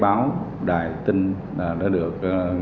các báo đài tin đã được